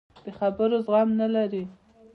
د خبرو زغم نه لري.